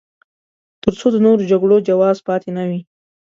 تر څو د نورو جګړو جواز پاتې نه وي.